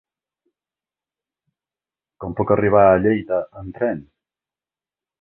Com puc arribar a Lleida amb tren?